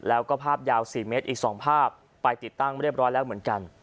แล้วก็ภาพยาว๔เมตรอีก๒ภาพไปติดตั้งเรียบร้อยแล้วเหมือนกัน